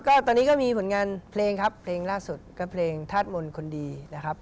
ก็ตอนนี้ก็มีผลงานเพลงครับเพลงล่าสุดก็เพลงธาตุมนต์คนดีนะครับ